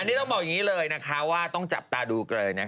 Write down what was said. นี่ต้องบอกอย่างนี้เลยนะคะว่าต้องจับตาดูกันเลยนะคะ